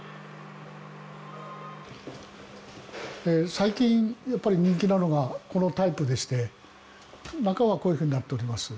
最近やっぱり人気なのがこのタイプでして中はこういうふうになっております。